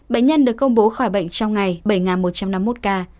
bệnh nhân được công bố khỏi bệnh trong ngày bảy một trăm năm mươi một ca